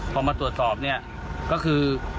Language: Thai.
พอมาตรวจสอบเนี่ยก็คือ